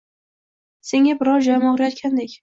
— Senga, biror joyim og‘riyotgandek...